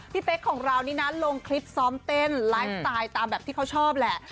เป๊กของเรานี่นะลงคลิปซ้อมเต้นไลฟ์สไตล์ตามแบบที่เขาชอบแหละ